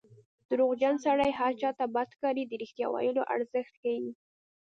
دروغجن سړی هر چا ته بد ښکاري د رښتیا ویلو ارزښت ښيي